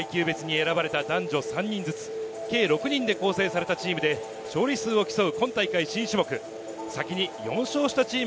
階級別に選ばれた男女３人ずつ計６人で構成されたチームで勝利数を競う